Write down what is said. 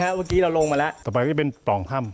เห็นเข้าลงมาแล้ว๓คนละ